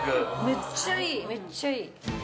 めっちゃいいめっちゃいい。